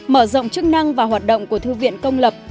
mở rộng chức năng và hoạt động của thư viện công lập